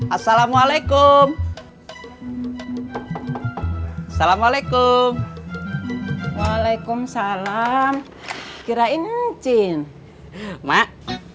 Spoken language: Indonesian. assalamualaikum assalamualaikum waalaikumsalam kirain cien mak